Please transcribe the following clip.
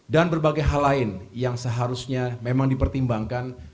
dan berbagai hal lain yang seharusnya memang dipertimbangkan